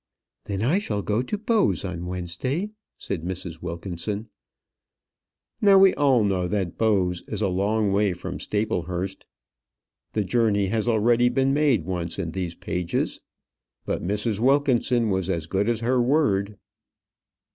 "Then I shall go to Bowes on Wednesday," said Mrs. Wilkinson. Now we all know that Bowes is a long way from Staplehurst. The journey has already been made once in these pages. But Mrs. Wilkinson was as good as her word.